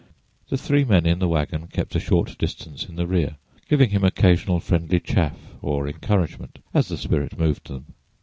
The three men in the wagon kept a short distance in the rear, giving him occasional friendly "chaff" or encouragement, as the spirit moved them.